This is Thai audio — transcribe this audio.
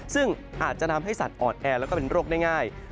ซึ่งอาจจะทำให้สัตว์อ่อนแอแล้วก็เป็นโรคได้ง่าย